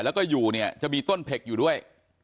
แล้วก็อยู่เนี่ยจะมีต้นเผ็กอยู่ด้วย